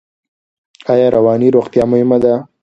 ایا رواني روغتیا مهمه ده؟